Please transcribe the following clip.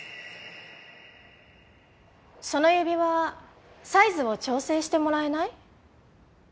その指輪サイズを調整してもらえない？